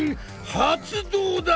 発動だ！